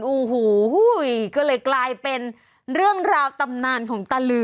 โอ้โหก็เลยกลายเป็นเรื่องราวตำนานของตาลือ